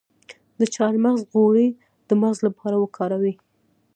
د چارمغز غوړي د مغز لپاره وکاروئ